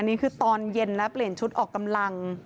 นี่คือตอนเย็นนะเปลี่ยนชุดออกกำลัง